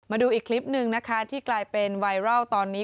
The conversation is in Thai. มาดูอีกคลิปหนึ่งนะคะที่กลายเป็นไวรัลตอนนี้